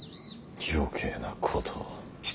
余計なことを。